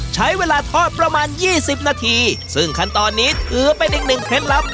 ใช้เวลาทอดประมาณยี่สิบนาทีซึ่งขั้นตอนนี้ถือเป็นอีกหนึ่งเคล็ดลับ